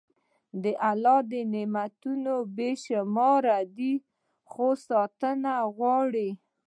د الله نعمتونه بې شمېره دي، خو ساتنه غواړي.